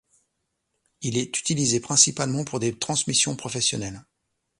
Il est utilisé principalement pour des transmissions professionnelles.